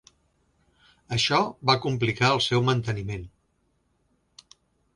Això va complicar el seu manteniment.